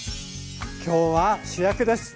今日は主役です。